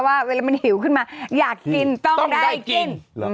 ว่าเวลามันหิวขึ้นมาอยากกินต้องได้กิน